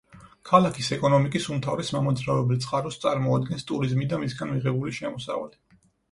ქალაქის ეკონომიკის უმთავრეს მამოძრავებელ წყაროს წარმოადგენს ტურიზმი და მისგან მიღებული შემოსავალი.